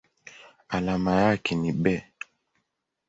Alama yake ni Be.